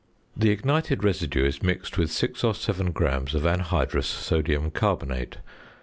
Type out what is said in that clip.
The ignited residue is mixed with 6 or 7 grams of anhydrous sodium carbonate.